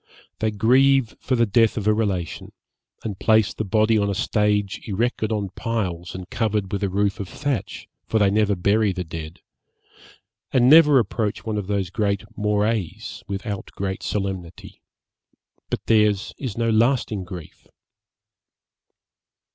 They grieve for the death of a relation, and place the body on a stage erected on piles and covered with a roof of thatch, for they never bury the dead, and never approach one of these morais without great solemnity; but theirs is no lasting grief.